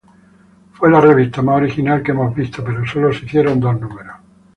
Fue la Revista más original que hemos visto pero sólo se hicieron dos números".